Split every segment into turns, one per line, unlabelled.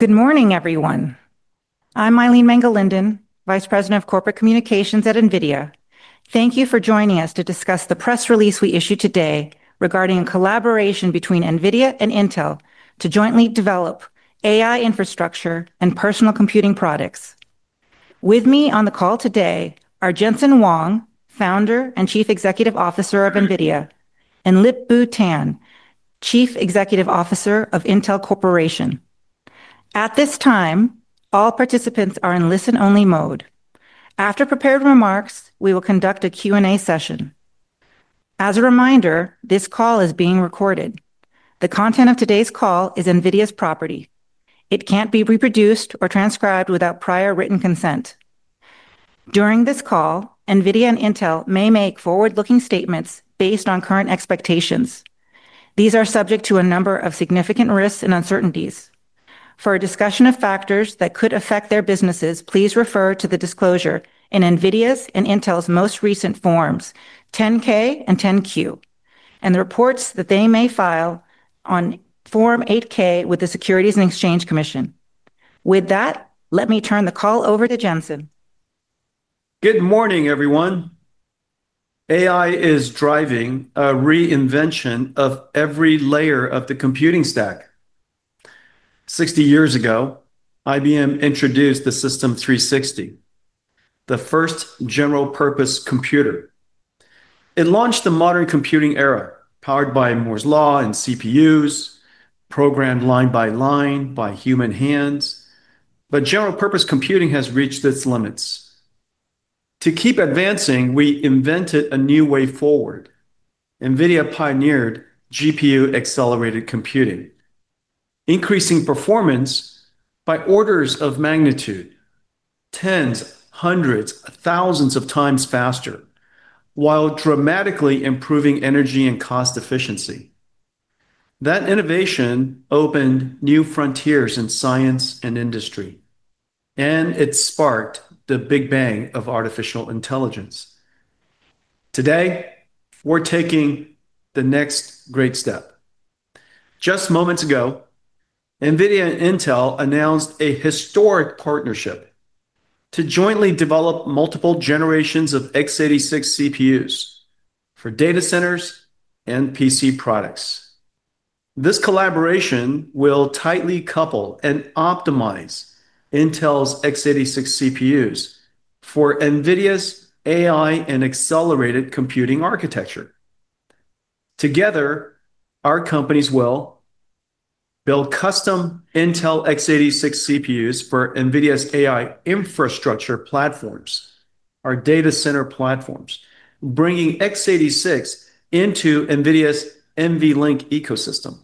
Good morning, everyone. I'm Mylene Mangalindan, Vice President of Corporate Communications at NVIDIA. Thank you for joining us to discuss the press release we issued today regarding a collaboration between NVIDIA and Intel to jointly develop AI infrastructure and personal computing products. With me on the call today are Jensen Huang, Founder and Chief Executive Officer of NVIDIA, and Lip-Bu Tan, Chief Executive Officer of Intel Corporation. At this time, all participants are in listen-only mode. After prepared remarks, we will conduct a Q&A session. As a reminder, this call is being recorded. The content of today's call is NVIDIA's property. It can't be reproduced or transcribed without prior written consent. During this call, NVIDIA and Intel may make forward-looking statements based on current expectations. These are subject to a number of significant risks and uncertainties. For a discussion of factors that could affect their businesses, please refer to the disclosure in NVIDIA's and Intel's most recent forms 10-K and 10-Q, and the reports that they may file on Form 8-K with the Securities and Exchange Commission. With that, let me turn the call over to Jensen. Good morning, everyone. AI is driving a reinvention of every layer of the computing stack. Sixty years ago, IBM introduced the System/360, the first general-purpose computer. It launched the modern computing era, powered by Moore's Law and CPUs, programmed line by line by human hands. General-purpose computing has reached its limits. To keep advancing, we invented a new way forward. NVIDIA pioneered GPU-accelerated computing, increasing performance by orders of magnitude: tens, hundreds, thousands of times faster, while dramatically improving energy and cost efficiency. That innovation opened new frontiers in science and industry, and it sparked the Big Bang of artificial intelligence. Today, we're taking the next great step. Just moments ago, NVIDIA and Intel announced a historic partnership to jointly develop multiple generations of x86 CPUs for data centers and PC products. This collaboration will tightly couple and optimize Intel's x86 CPUs for NVIDIA's AI and accelerated computing architecture. Together, our companies will build custom Intel x86 CPUs for NVIDIA's AI infrastructure platforms, our data center platforms, bringing x86 into NVIDIA's NVLink ecosystem.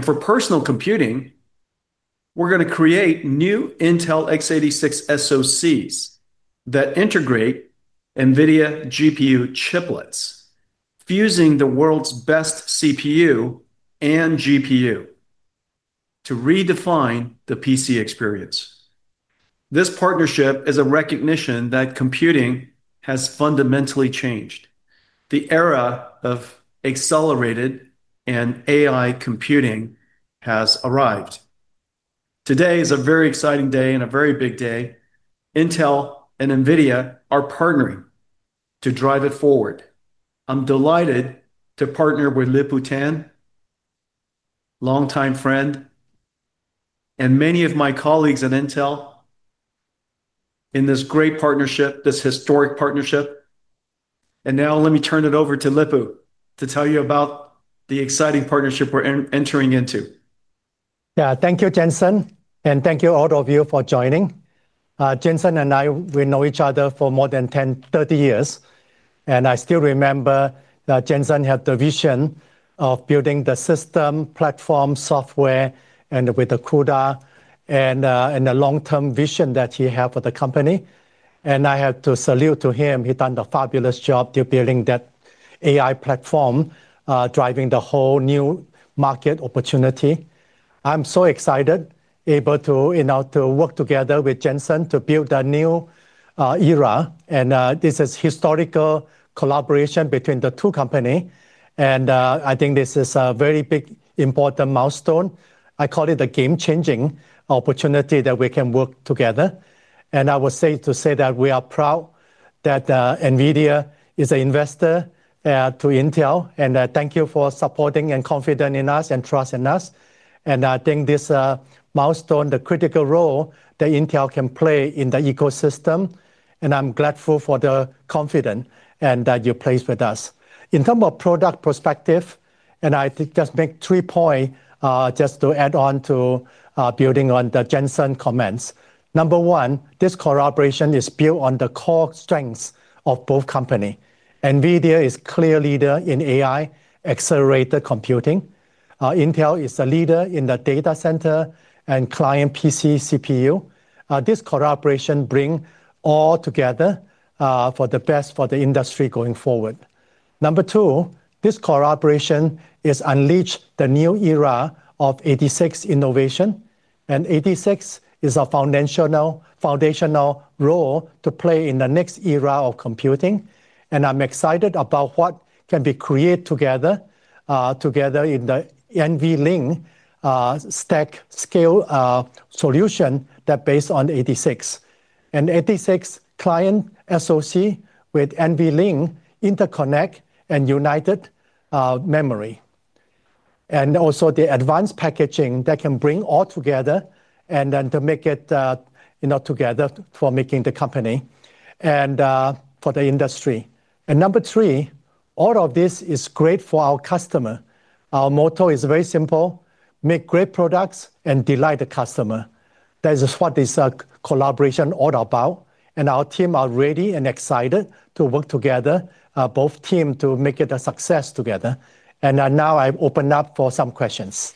For personal computing, we're going to create new Intel x86 SoCs that integrate NVIDIA GPU chiplets, fusing the world's best CPU and GPU to redefine the PC experience. This partnership is a recognition that computing has fundamentally changed. The era of accelerated and AI computing has arrived. Today is a very exciting day and a very big day. Intel and NVIDIA are partnering to drive it forward. I'm delighted to partner with Lip-Bu Tan, long-time friend, and many of my colleagues at Intel in this great partnership, this historic partnership. Now, let me turn it over to Lip Bu to tell you about the exciting partnership we're entering into.
Thank you, Jensen, and thank you all of you for joining. Jensen and I know each other for more than 30 years, and I still remember Jensen had the vision of building the system, platform, software, and with the CUDA, and the long-term vision that he had for the company. I have to salute to him. He's done a fabulous job building that AI platform, driving the whole new market opportunity. I'm so excited to be able to work together with Jensen to build a new era. This is a historical collaboration between the two companies, and I think this is a very big, important milestone. I call it a game-changing opportunity that we can work together. I would say that we are proud that NVIDIA is an investor in Intel, and thank you for supporting and confident in us and trusting us. I think this milestone is a critical role that Intel can play in the ecosystem, and I'm grateful for the confidence that you place with us. In terms of product perspective, I just make three points just to add on to building on the Jensen comments. Number one, this collaboration is built on the core strengths of both companies. NVIDIA is a clear leader in AI-accelerated computing. Intel is a leader in the data center and client PC CPU. This collaboration brings all together for the best for the industry going forward. Number two, this collaboration unleashes the new era of x86 innovation, and x86 is a foundational role to play in the next era of computing. I'm excited about what can be created together in the NVLink stack scale solution that's based on x86, and x86 client SoC with NVLink interconnect and united memory, and also the advanced packaging that can bring it all together and then to make it together for making the company and for the industry. Number three, all of this is great for our customers. Our motto is very simple: make great products and delight the customer. That is what this collaboration is all about. Our teams are ready and excited to work together, both teams, to make it a success together. Now I open up for some questions.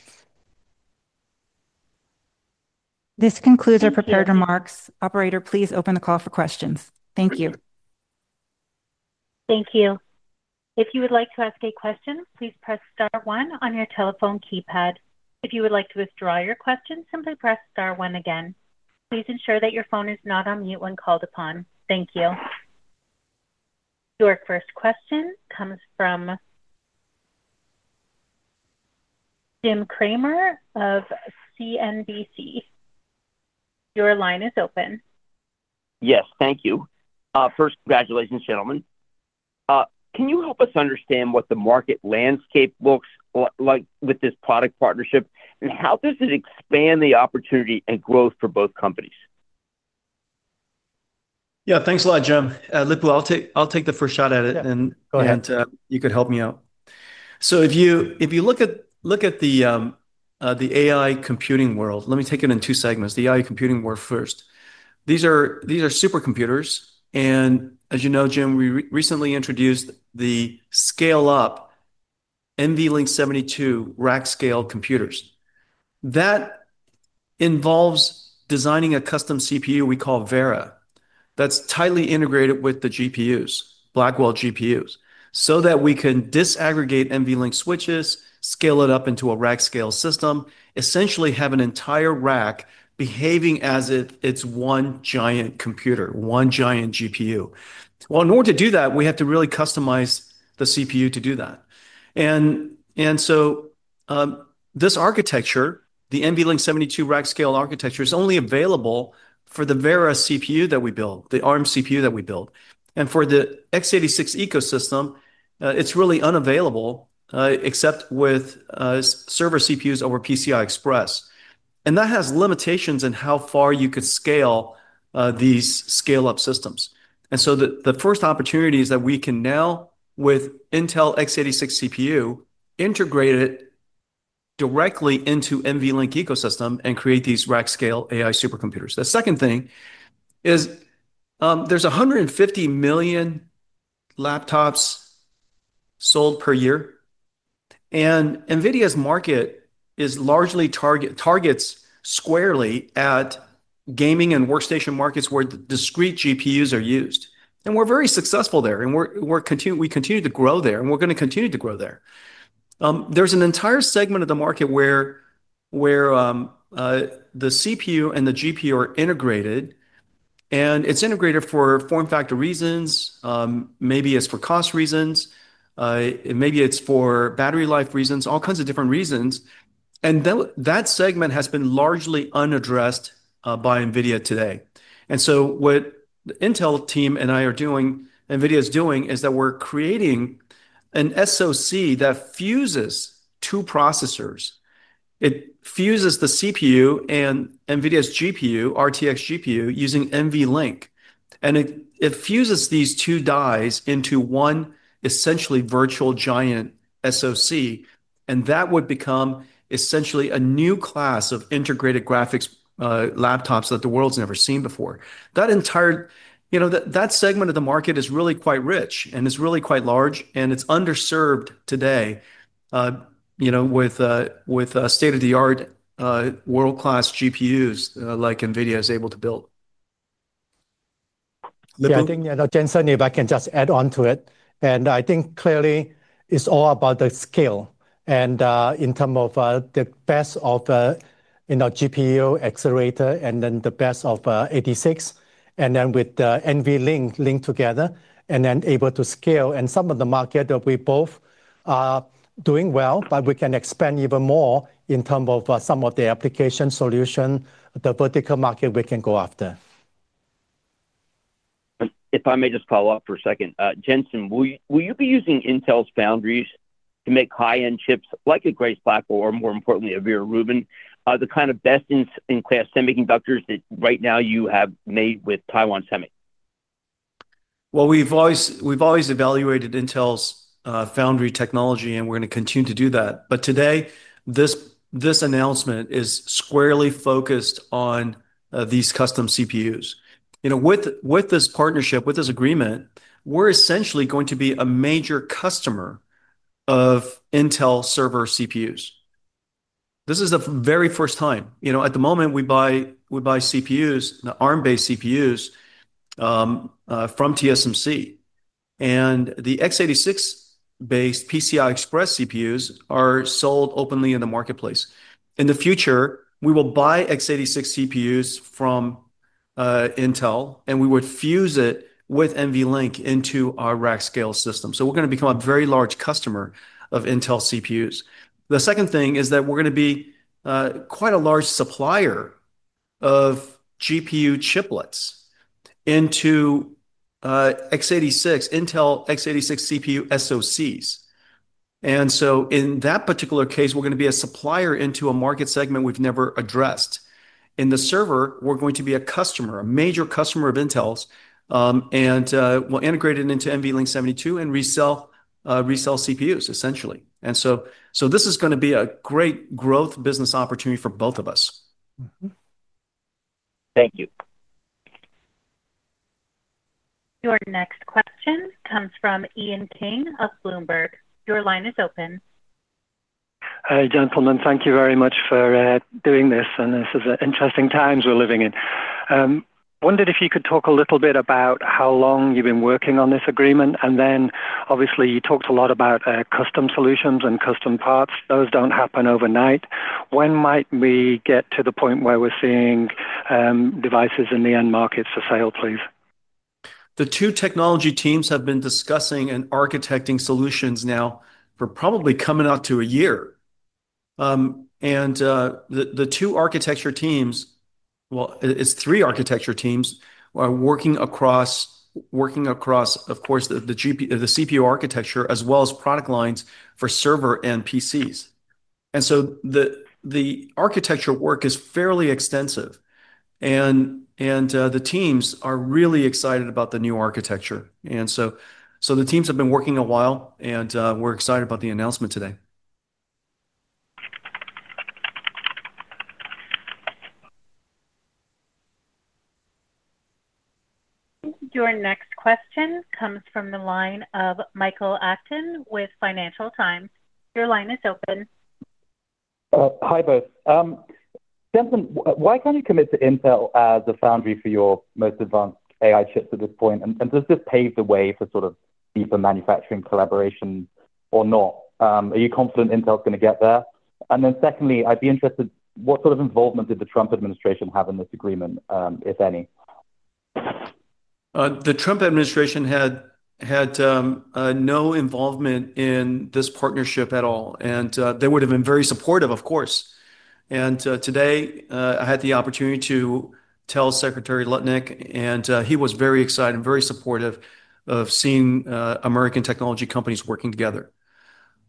This concludes our prepared remarks. Operator, please open the call for questions. Thank you.
Thank you. If you would like to ask a question, please press *1 on your telephone keypad. If you would like to withdraw your question, simply press *1 again. Please ensure that your phone is not on mute when called upon. Thank you. Your first question comes from Jim Cramer of CNBC. Your line is open.
Yes, thank you. First, congratulations, gentlemen. Can you help us understand what the market landscape looks like with this product partnership, and how does it expand the opportunity and growth for both companies?
Yeah, thanks a lot, Jim. Lip-Bu, I'll take the first shot at it, and then you could help me out. If you look at the AI computing world, let me take it in two segments. The AI computing world first. These are supercomputers. As you know, Jim, we recently introduced the scale-up NVL72 rack-scale computers. That involves designing a custom CPU we call Vera, that's tightly integrated with the GPUs, Blackwell GPUs, so that we can disaggregate NVLink switches, scale it up into a rack-scale system, and essentially have an entire rack behaving as if it's one giant computer, one giant GPU. In order to do that, we have to really customize the CPU to do that. This architecture, the NVL72 rack-scale architecture, is only available for the Vera CPU that we build, the ARM CPU that we build. For the x86 ecosystem, it's really unavailable except with server CPUs over PCI Express. That has limitations in how far you could scale these scale-up systems. The first opportunity is that we can now, with Intel x86 CPU, integrate it directly into the NVLink ecosystem and create these rack-scale AI supercomputers. The second thing is there's 150 million laptops sold per year, and NVIDIA's market largely targets squarely at gaming and workstation markets where discrete GPUs are used. We're very successful there, and we continue to grow there, and we're going to continue to grow there. There's an entire segment of the market where the CPU and the GPU are integrated, and it's integrated for form-factor reasons. Maybe it's for cost reasons. Maybe it's for battery life reasons, all kinds of different reasons. That segment has been largely unaddressed by NVIDIA today. What the Intel team and I are doing, NVIDIA is doing, is that we're creating an SoC that fuses two processors. It fuses the CPU and NVIDIA's GPU, RTX GPU, using NVLink. It fuses these two dies into one essentially virtual giant SoC, and that would become essentially a new class of integrated graphics laptops that the world's never seen before. That segment of the market is really quite rich, and it's really quite large, and it's underserved today with state-of-the-art world-class GPUs like NVIDIA is able to build.
I think, you know, Jensen, if I can just add on to it, I think clearly it's all about the scale. In terms of the best of GPU accelerator and then the best of x86, with the NVLink linked together and able to scale. Some of the markets that we both are doing well, we can expand even more in terms of some of the application solutions, the vertical market we can go after.
If I may just follow up for a second, Jensen, will you be using Intel's foundries to make high-end chips like a Grace platform, or more importantly, a Vera Rubin, the kind of best-in-class semiconductors that right now you have made with TSMC?
We've always evaluated Intel's foundry technology, and we're going to continue to do that. Today, this announcement is squarely focused on these custom CPUs. You know, with this partnership, with this agreement, we're essentially going to be a major customer of Intel server CPUs. This is the very first time. At the moment, we buy CPUs, the ARM-based CPUs from TSMC. The x86-based PCI Express CPUs are sold openly in the marketplace. In the future, we will buy x86 CPUs from Intel, and we would fuse it with NVLink into our rack-scale system. We're going to become a very large customer of Intel CPUs. The second thing is that we're going to be quite a large supplier of GPU chiplets into x86, Intel x86 CPU SoCs. In that particular case, we're going to be a supplier into a market segment we've never addressed. In the server, we're going to be a customer, a major customer of Intel's, and we'll integrate it into NVL72 and resell CPUs, essentially. This is going to be a great growth business opportunity for both of us.
Thank you.
Your next question comes from Ian King of Bloomberg. Your line is open.
Hi, gentlemen. Thank you very much for doing this, and this is an interesting time we're living in. I wondered if you could talk a little bit about how long you've been working on this agreement. You talked a lot about custom solutions and custom parts. Those don't happen overnight. When might we get to the point where we're seeing devices in the end markets for sale, please?
The two technology teams have been discussing and architecting solutions now for probably coming up to a year. The two architecture teams, well, it's three architecture teams, are working across, of course, the CPU architecture as well as product lines for server and PCs. The architecture work is fairly extensive, and the teams are really excited about the new architecture. The teams have been working a while, and we're excited about the announcement today.
Your next question comes from the line of Michael Acton with Financial Times. Your line is open.
Hi, both. Jensen, why can't you commit to Intel as a foundry for your most advanced AI chips at this point? Does this pave the way for sort of deeper manufacturing collaboration or not? Are you confident Intel's going to get there? Secondly, I'd be interested, what sort of involvement did the Trump administration have in this agreement, if any?
The Trump administration had no involvement in this partnership at all, and they would have been very supportive, of course. Today, I had the opportunity to tell Secretary Lutnick, and he was very excited and very supportive of seeing American technology companies working together.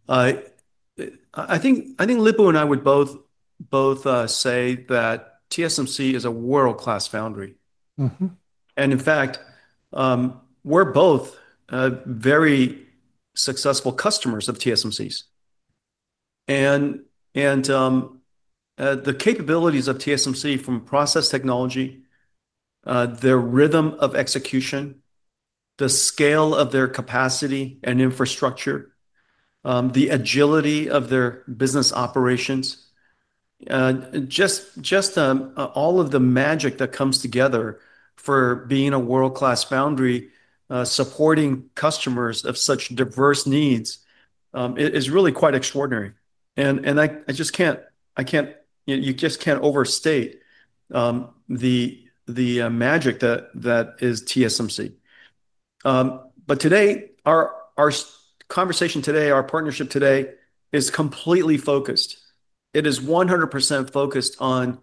I think Lip-Bu and I would both say that TSMC is a world-class foundry. In fact, we're both very successful customers of TSMC. The capabilities of TSMC from process technology, their rhythm of execution, the scale of their capacity and infrastructure, the agility of their business operations, just all of the magic that comes together for being a world-class foundry, supporting customers of such diverse needs is really quite extraordinary. You just can't overstate the magic that is TSMC. Today, our conversation, our partnership is completely focused. It is 100% focused on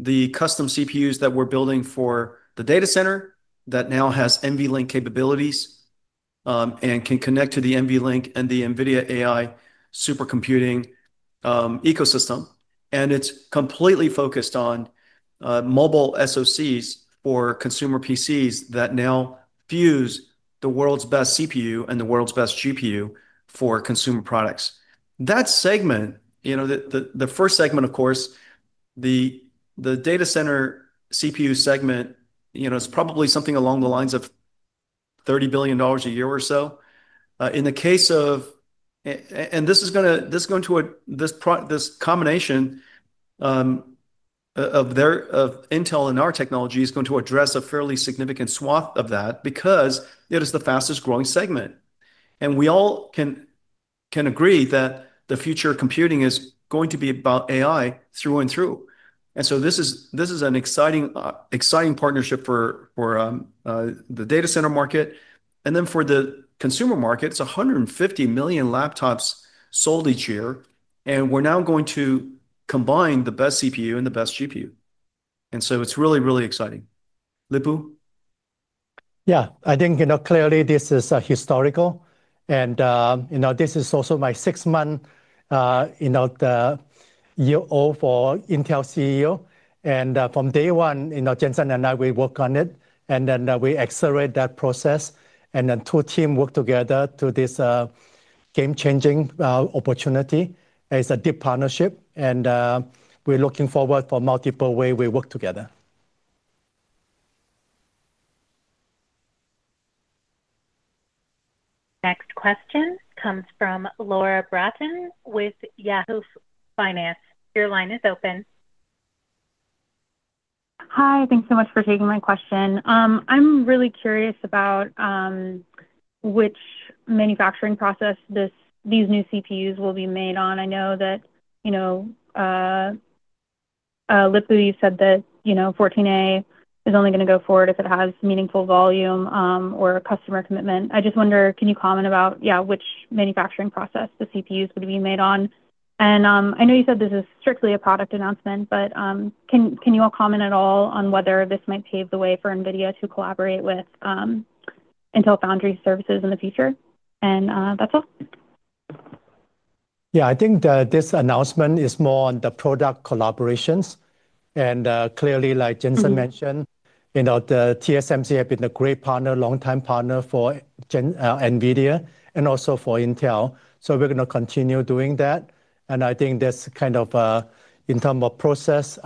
the custom CPUs that we're building for the data center that now has NVLink capabilities and can connect to the NVLink and the NVIDIA AI supercomputing ecosystem. It's completely focused on mobile SoCs for consumer PCs that now fuse the world's best CPU and the world's best GPU for consumer products. That segment, the first segment, of course, the data center CPU segment, it's probably something along the lines of $30 billion a year or so. In the case of, and this combination of Intel and our technology is going to address a fairly significant swath of that because it is the fastest growing segment. We all can agree that the future of computing is going to be about AI through and through. This is an exciting partnership for the data center market. For the consumer market, it's 150 million laptops sold each year, and we're now going to combine the best CPU and the best GPU. It's really, really exciting. Lip-Bu?
Yeah, I think, you know, clearly this is historical. This is also my sixth month, you know, the year-old for Intel CEO. From day one, you know, Jensen and I, we work on it, and then we accelerate that process. The two teams work together to this game-changing opportunity. It's a deep partnership, and we're looking forward to multiple ways we work together.
Next question comes from Laura Bratton with Yahoo Finance. Your line is open.
Hi, thanks so much for taking my question. I'm really curious about which manufacturing process these new CPUs will be made on. I know that, you know, Lip-Bu, you said that 14A is only going to go forward if it has meaningful volume or a customer commitment. I just wonder, can you comment about which manufacturing process the CPUs will be made on? I know you said this is strictly a product announcement, but can you all comment at all on whether this might pave the way for NVIDIA to collaborate with Intel Foundry services in the future? That's all.
I think this announcement is more on the product collaborations. Clearly, like Jensen mentioned, the TSMC has been a great partner, long-time partner for NVIDIA and also for Intel. We're going to continue doing that. I think this kind of, in terms of process,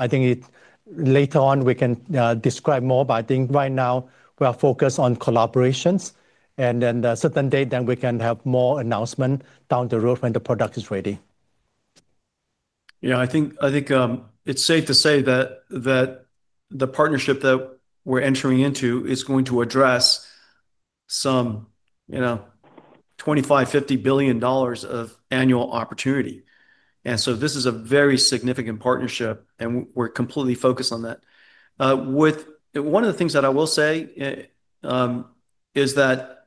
later on we can describe more, but right now we are focused on collaborations. A certain day, we can have more announcements down the road when the product is ready.
I think it's safe to say that the partnership that we're entering into is going to address some $25 billion-$50 billion of annual opportunity. This is a very significant partnership, and we're completely focused on that. One of the things that I will say is that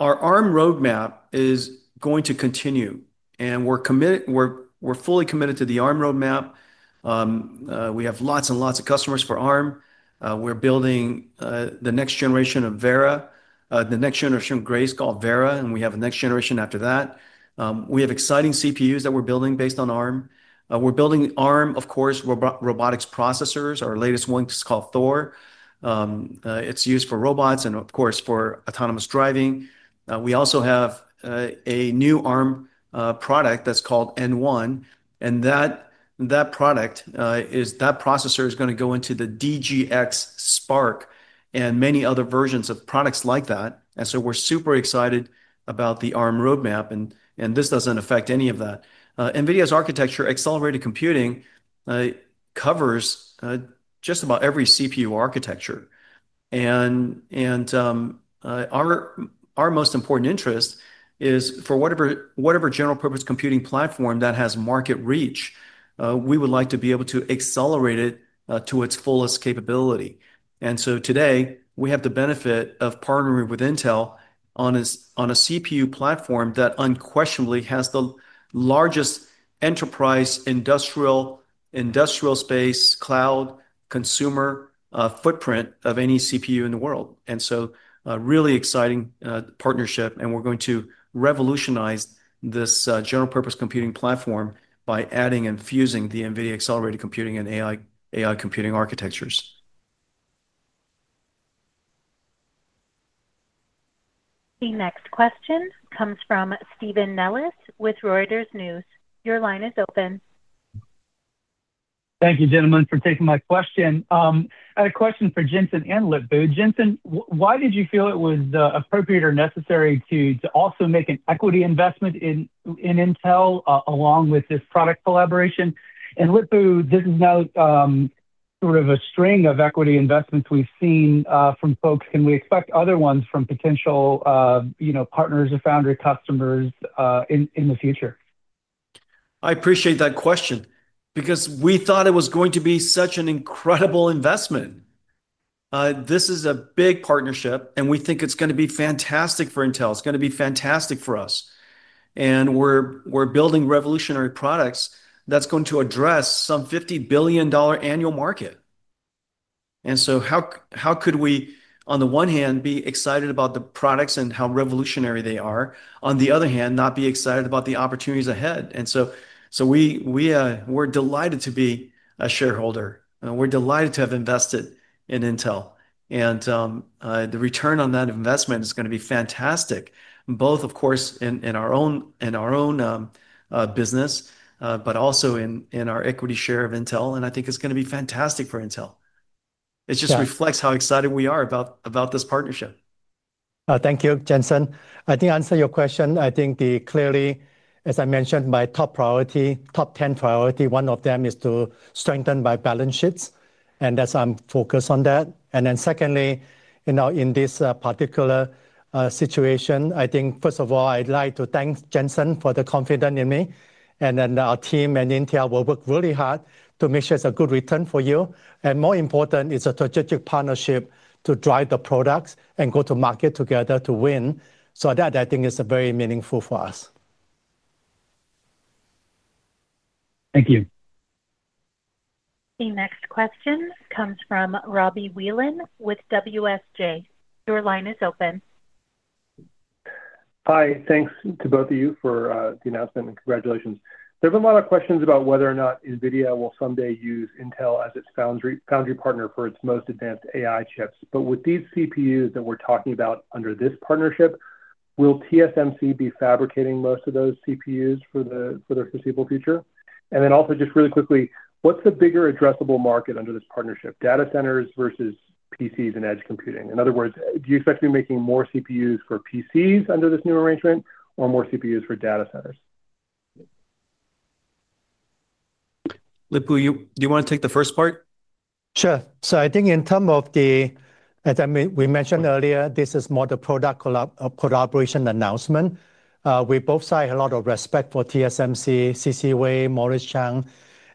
our ARM roadmap is going to continue, and we're fully committed to the ARM roadmap. We have lots and lots of customers for ARM. We're building the next generation of Vera, the next generation of Grace called Vera, and we have a next generation after that. We have exciting CPUs that we're building based on ARM. We're building ARM, of course, robotics processors. Our latest one is called Thor. It's used for robots and, of course, for autonomous driving. We also have a new ARM product that's called N1. That product, that processor is going to go into the DGX Spark and many other versions of products like that. We're super excited about the ARM roadmap, and this doesn't affect any of that. NVIDIA's architecture, accelerated computing, covers just about every CPU architecture. Our most important interest is for whatever general-purpose computing platform that has market reach, we would like to be able to accelerate it to its fullest capability. Today, we have the benefit of partnering with Intel on a CPU platform that unquestionably has the largest enterprise industrial space, cloud, consumer footprint of any CPU in the world. This is a really exciting partnership, and we're going to revolutionize this general-purpose computing platform by adding and fusing the NVIDIA accelerated computing and AI computing architectures.
The next question comes from Stephen Nellis with Reuters News. Your line is open.
Thank you, gentlemen, for taking my question. I have a question for Jensen and Lip-Bu. Jensen, why did you feel it was appropriate or necessary to also make an equity investment in Intel along with this product collaboration? Lip-Bu, this is now sort of a string of equity investments we've seen from folks. Can we expect other ones from potential partners or foundry customers in the future?
I appreciate that question because we thought it was going to be such an incredible investment. This is a big partnership, and we think it's going to be fantastic for Intel. It's going to be fantastic for us. We're building revolutionary products that are going to address some $50 billion annual market. How could we, on the one hand, be excited about the products and how revolutionary they are? On the other hand, not be excited about the opportunities ahead? We're delighted to be a shareholder. We're delighted to have invested in Intel. The return on that investment is going to be fantastic, both, of course, in our own business, but also in our equity share of Intel. I think it's going to be fantastic for Intel. It just reflects how excited we are about this partnership.
Thank you, Jensen. I think to answer your question, I think clearly, as I mentioned, my top priority, top 10 priority, one of them is to strengthen my balance sheets, and that's I'm focused on that. Secondly, in this particular situation, I think, first of all, I'd like to thank Jensen for the confidence in me. Our team and Intel will work really hard to make sure it's a good return for you. More important, it's a strategic partnership to drive the products and go to market together to win. That, I think, is very meaningful for us.
Thank you.
The next question comes from Robbie Whelan with WSJ. Your line is open.
Hi, thanks to both of you for the announcement and congratulations. There have been a lot of questions about whether or not NVIDIA will someday use Intel as its foundry partner for its most advanced AI chips. With these CPUs that we're talking about under this partnership, will TSMC be fabricating most of those CPUs for the foreseeable future? Also, just really quickly, what's the bigger addressable market under this partnership, data centers versus PCs and edge computing? In other words, do you expect to be making more CPUs for PCs under this new arrangement or more CPUs for data centers?
Lip-Bu, do you want to take the first part?
Sure. I think in terms of the, as we mentioned earlier, this is more the product collaboration announcement. We both have a lot of respect for TSMC, C.C. Wei, Morris Chang,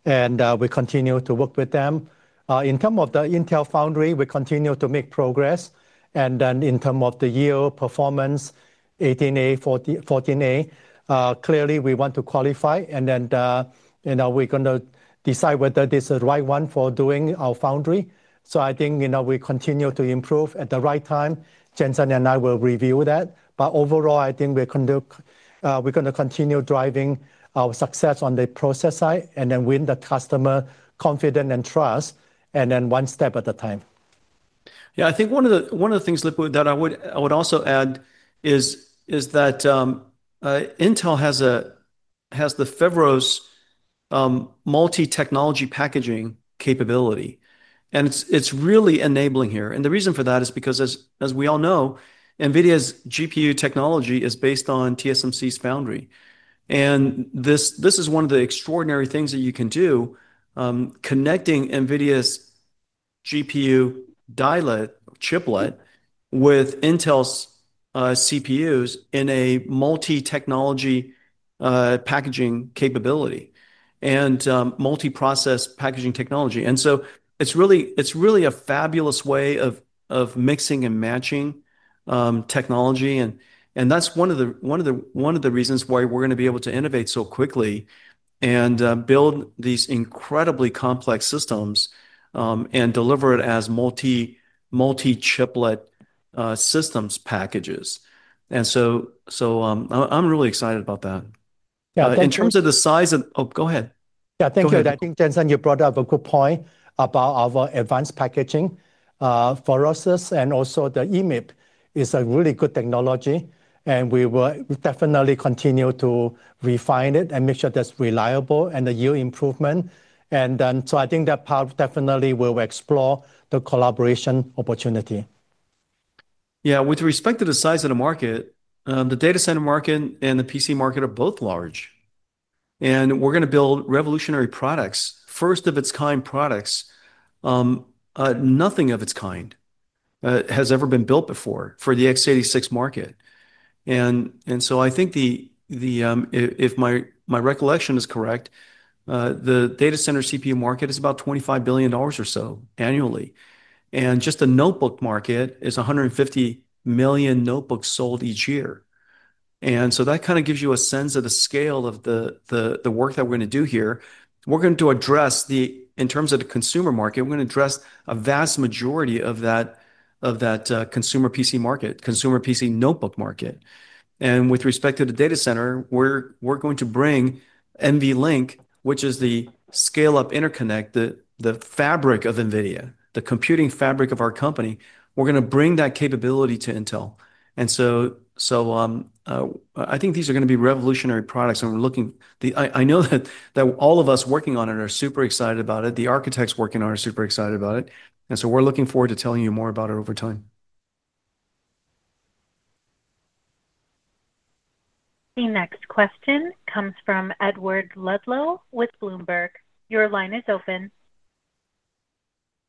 and we continue to work with them. In terms of the Intel foundry, we continue to make progress. In terms of the yield performance, 18A, 14A, clearly we want to qualify, and then we're going to decide whether this is the right one for doing our foundry. I think we continue to improve at the right time. Jensen and I will review that. Overall, I think we're going to continue driving our success on the process side and then win the customer's confidence and trust, one step at a time.
Yeah, I think one of the things, Lip-Bu, that I would also add is that Intel has the feverish multi-technology packaging capability. It's really enabling here. The reason for that is because, as we all know, NVIDIA's GPU technology is based on TSMC's foundry. This is one of the extraordinary things that you can do, connecting NVIDIA's GPU chiplet with Intel's CPUs in a multi-technology packaging capability and multi-process packaging technology. It's really a fabulous way of mixing and matching technology. That's one of the reasons why we're going to be able to innovate so quickly and build these incredibly complex systems and deliver it as multi-chiplet systems packages. I'm really excited about that. Yeah, in terms of the size of, oh, go ahead.
Thank you. I think, Jensen, you brought up a good point about our advanced packaging process. Also, the EMIB is a really good technology. We will definitely continue to refine it and make sure that's reliable and the yield improvement. I think that part definitely will explore the collaboration opportunity.
Yeah, with respect to the size of the market, the data center market and the PC market are both large. We're going to build revolutionary products, first of its kind products. Nothing of its kind has ever been built before for the x86 market. I think, if my recollection is correct, the data center CPU market is about $25 billion or so annually. Just the notebook market is 150 million notebooks sold each year. That kind of gives you a sense of the scale of the work that we're going to do here. We're going to address the, in terms of the consumer market, we're going to address a vast majority of that consumer PC market, consumer PC notebook market. With respect to the data center, we're going to bring NVLink, which is the scale-up interconnect, the fabric of NVIDIA, the computing fabric of our company. We're going to bring that capability to Intel. I think these are going to be revolutionary products. I know that all of us working on it are super excited about it. The architects working on it are super excited about it. We're looking forward to telling you more about it over time.
The next question comes from Edward Ludlow with Bloomberg. Your line is open.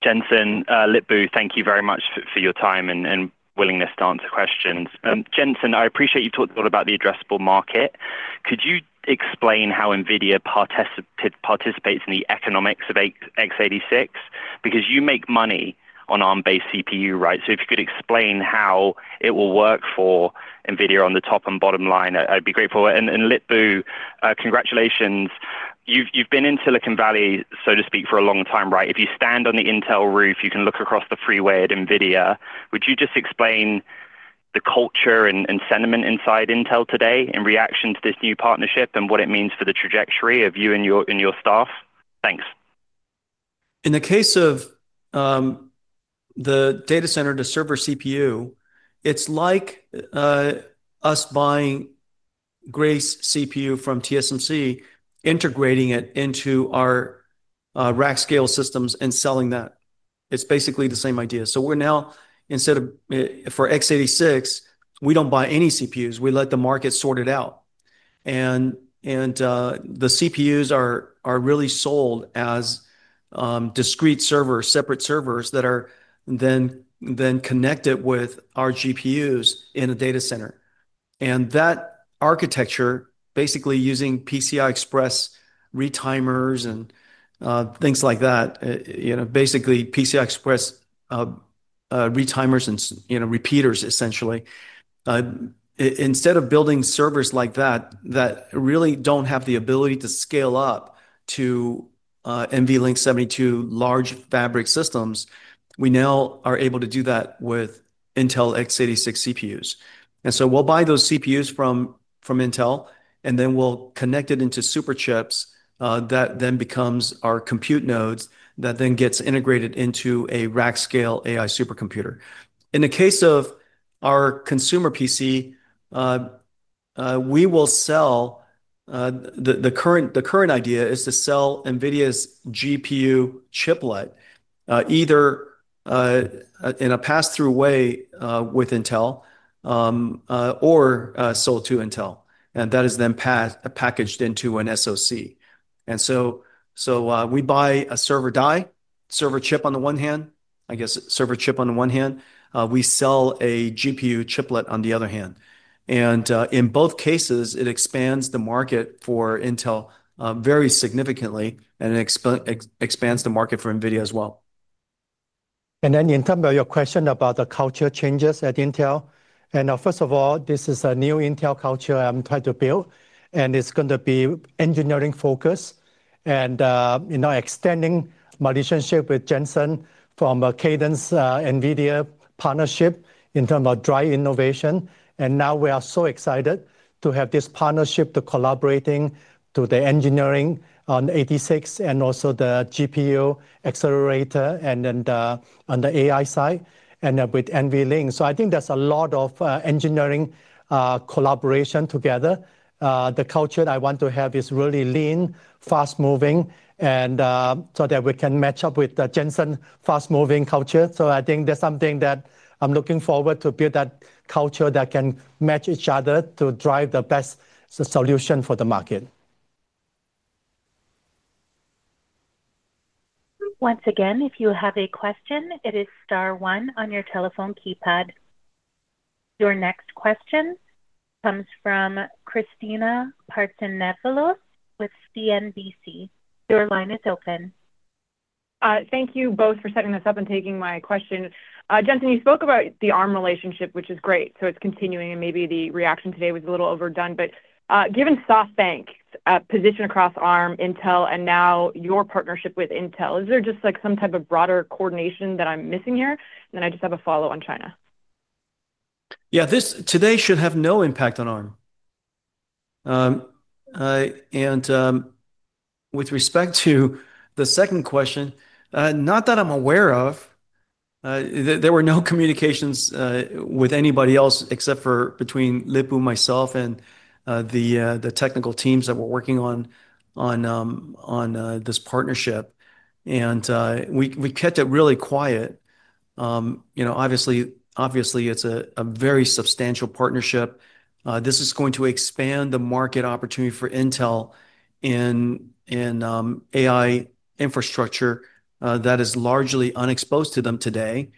Jensen, Lip-Bu, thank you very much for your time and willingness to answer questions. Jensen, I appreciate you talked a lot about the addressable market. Could you explain how NVIDIA participates in the economics of x86? Because you make money on ARM-based CPU, right? If you could explain how it will work for NVIDIA on the top and bottom line, I'd be grateful. Lip-Bu, congratulations. You've been in Silicon Valley, so to speak, for a long time, right? If you stand on the Intel roof, you can look across the freeway at NVIDIA. Would you just explain the culture and sentiment inside Intel today in reaction to this new partnership and what it means for the trajectory of you and your staff? Thanks.
In the case of the data center to server CPU, it's like us buying Grace CPU from TSMC, integrating it into our rack-scale systems, and selling that. It's basically the same idea. We're now, instead of for x86, we don't buy any CPUs. We let the market sort it out. The CPUs are really sold as discrete servers, separate servers that are then connected with our GPUs in a data center. That architecture, basically using PCI Express retimers and things like that, basically PCI Express retimers and repeaters, essentially. Instead of building servers like that that really don't have the ability to scale up to NVL72 large fabric systems, we now are able to do that with Intel x86 CPUs. We'll buy those CPUs from Intel, and then we'll connect it into superchips that then become our compute nodes that then get integrated into a rack-scale AI supercomputer. In the case of our consumer PC, we will sell the current idea is to sell NVIDIA's GPU chiplet either in a pass-through way with Intel or sold to Intel. That is then packaged into an SoC. We buy a server die, server chip on the one hand, I guess server chip on the one hand. We sell a GPU chiplet on the other hand. In both cases, it expands the market for Intel very significantly, and it expands the market for NVIDIA as well.
In terms of your question about the culture changes at Intel, first of all, this is a new Intel culture I'm trying to build, and it's going to be engineering-focused. Extending my relationship with Jensen from Cadence NVIDIA partnership in terms of driving innovation, we are so excited to have this partnership to collaborate through the engineering on x86 and also the GPU accelerator and on the AI side and with NVLink. I think there's a lot of engineering collaboration together. The culture I want to have is really lean, fast-moving, so that we can match up with the Jensen fast-moving culture. I think that's something that I'm looking forward to, to build that culture that can match each other to drive the best solution for the market.
Once again, if you have a question, it is *1 on your telephone keypad. Your next question comes from Kristina Partsinevelos with CNBC. Your line is open.
Thank you both for setting this up and taking my question. Jensen, you spoke about the ARM relationship, which is great. It's continuing, and maybe the reaction today was a little overdone. Given SoftBank's position across ARM, Intel, and now your partnership with Intel, is there just like some type of broader coordination that I'm missing here? I just have a follow on China.
Yeah, this today should have no impact on ARM. With respect to the second question, not that I'm aware of. There were no communications with anybody else except for between Lip-Bu, myself, and the technical teams that were working on this partnership. We kept it really quiet. Obviously, it's a very substantial partnership. This is going to expand the market opportunity for Intel in AI infrastructure that is largely unexposed to them today.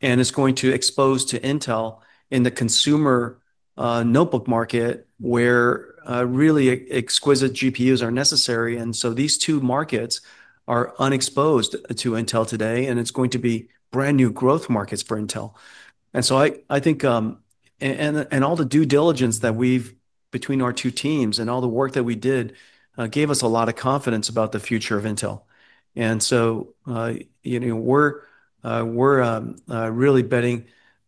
It's going to expose Intel in the consumer notebook market where really exquisite GPUs are necessary. These two markets are unexposed to Intel today, and it's going to be brand new growth markets for Intel. I think all the due diligence that we've, between our two teams and all the work that we did, gave us a lot of confidence about the future of Intel. We're really betting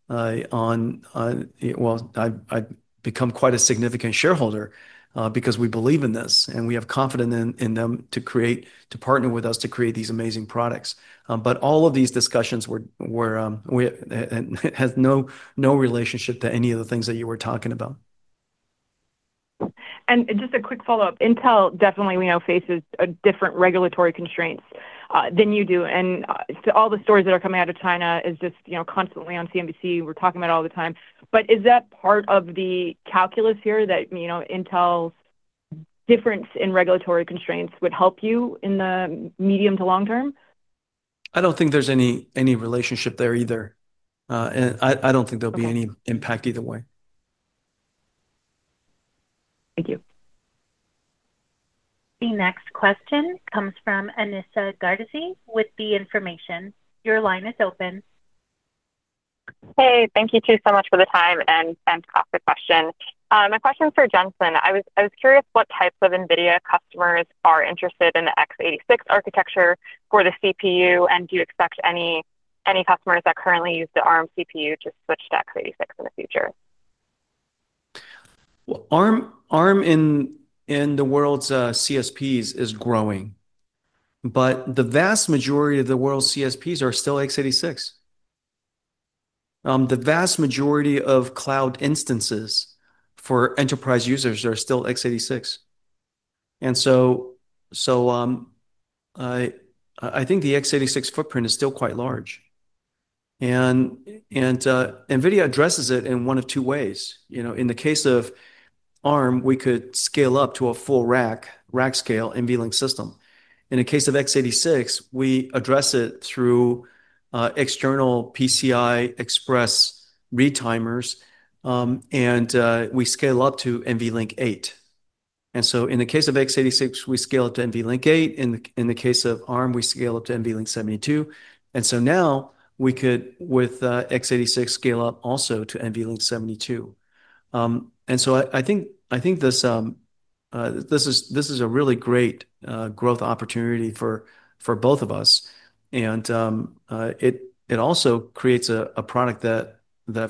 on, I've become quite a significant shareholder because we believe in this, and we have confidence in them to partner with us to create these amazing products. All of these discussions have no relationship to any of the things that you were talking about.
Just a quick follow-up. Intel definitely, we know, faces different regulatory constraints than you do. All the stories that are coming out of China are just constantly on CNBC. We're talking about it all the time. Is that part of the calculus here that, you know, Intel's difference in regulatory constraints would help you in the medium to long term?
I don't think there's any relationship there either. I don't think there'll be any impact either way.
Thank you.
The next question comes from Anissa Gardizy with The Information. Your line is open.
Thank you two so much for the time and to ask the question. My question is for Jensen. I was curious what types of NVIDIA customers are interested in the x86 architecture for the CPU, and do you expect any customers that currently use the ARM CPU to switch to x86 in the future?
ARM in the world's CSPs is growing, but the vast majority of the world's CSPs are still x86. The vast majority of cloud instances for enterprise users are still x86. I think the x86 footprint is still quite large. NVIDIA addresses it in one of two ways. In the case of ARM, we could scale up to a full rack, rack-scale NVLink system. In the case of x86, we address it through external PCI Express retimers, and we scale up to NVLink 8. In the case of x86, we scale up to NVLink 8. In the case of ARM, we scale up to NVL72. Now we could, with x86, scale up also to NVL72. I think this is a really great growth opportunity for both of us. It also creates a product that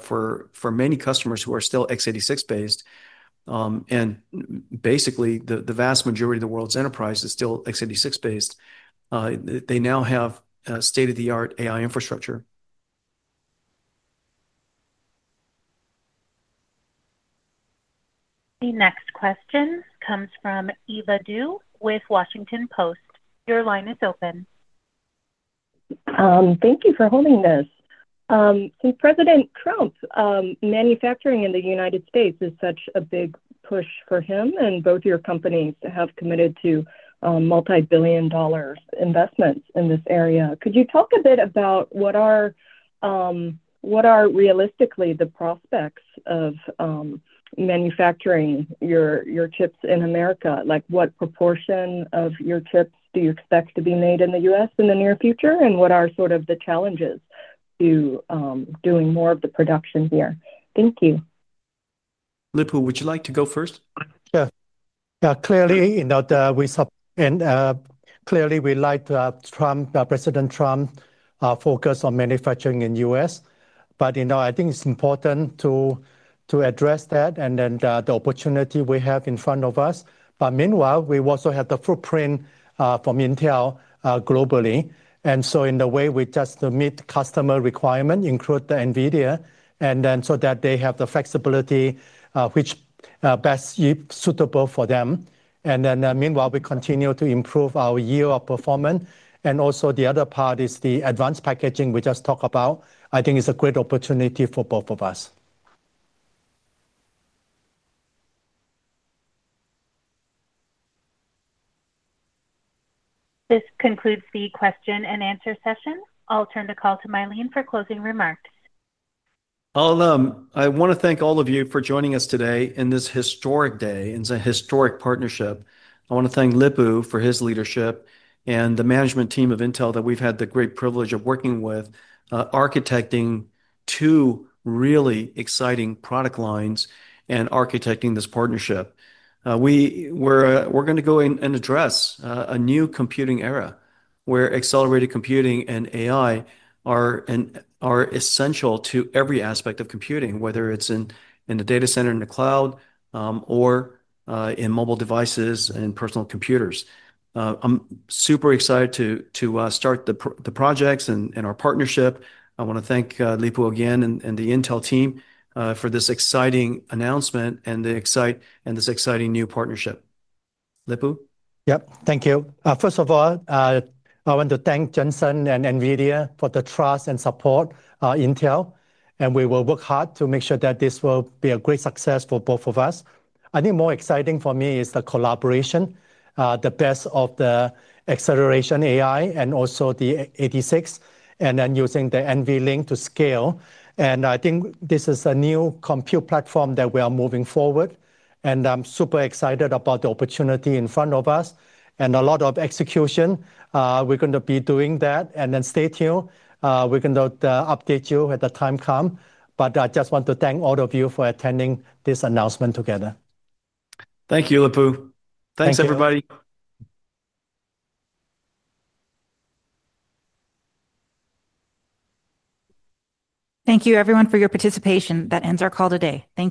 for many customers who are still x86-based, and basically the vast majority of the world's enterprise is still x86-based, they now have state-of-the-art AI infrastructure.
The next question comes from Eva Dou with Washington Post. Your line is open.
Thank you for holding this. President Trump's manufacturing in the U.S. is such a big push for him, and both your companies have committed to multi-billion dollar investments in this area. Could you talk a bit about what are realistically the prospects of manufacturing your chips in America? Like what proportion of your chips do you expect to be made in the U.S. in the near future, and what are the challenges to doing more of the production here? Thank you.
Lip-Bu, would you like to go first?
Sure. Clearly, we submit, clearly we like Trump, President Trump, focus on manufacturing in the U.S. I think it's important to address that and then the opportunity we have in front of us. Meanwhile, we also have the footprint from Intel globally. In a way, we just meet customer requirements, include the NVIDIA, so that they have the flexibility which is best suitable for them. Meanwhile, we continue to improve our yield performance. Also, the other part is the advanced packaging we just talked about. I think it's a great opportunity for both of us.
This concludes the question and answer session. I'll turn the call to Mylene for closing remarks.
I want to thank all of you for joining us today on this historic day, in a historic partnership. I want to thank Lip-Bu for his leadership and the management team of Intel that we've had the great privilege of working with, architecting two really exciting product lines and architecting this partnership. We're going to go and address a new computing era where accelerated computing and AI are essential to every aspect of computing, whether it's in the data center, in the cloud, or in mobile devices and personal computers. I'm super excited to start the projects and our partnership. I want to thank Lip-Bu again and the Intel team for this exciting announcement and this exciting new partnership. Lip-Bu?
Thank you. First of all, I want to thank Jensen and NVIDIA for the trust and support of Intel. We will work hard to make sure that this will be a great success for both of us. I think more exciting for me is the collaboration, the best of the acceleration AI and also the x86, and then using the NVLink to scale. I think this is a new compute platform that we are moving forward. I'm super excited about the opportunity in front of us and a lot of execution. We're going to be doing that. Stay tuned. We're going to update you when the time comes. I just want to thank all of you for attending this announcement together.
Thank you, Lip-Bu. Thanks, everybody.
Thank you, everyone, for your participation. That ends our call today. Thank you.